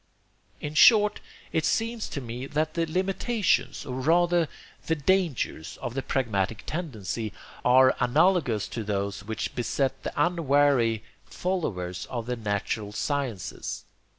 "In short, it seems to me that the limitations, or rather the dangers, of the pragmatic tendency, are analogous to those which beset the unwary followers of the 'natural sciences.'